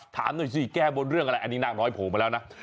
ถามหน่อยสิแก้บนเรื่องอะไรอันนี้นางน้อยโผล่มาแล้วนะ